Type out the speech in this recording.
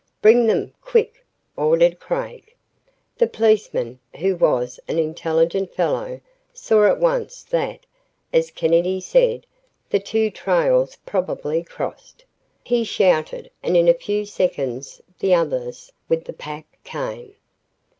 "Bring them quick!" ordered Craig. The policeman, who was an intelligent fellow, saw at once that, as Kennedy said, the two trails probably crossed. He shouted and in a few seconds the others, with the pack, came.